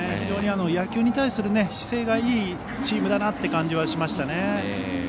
野球に対する姿勢がいいチームだなという感じがしました。